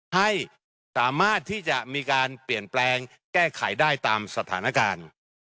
ให้สามารถที่จะมีการเปลี่ยนแปลงแก้ไขได้ตามสถานการณ์